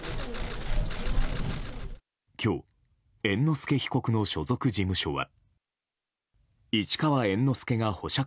今日、猿之助被告の所属事務所は。